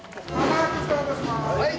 はい。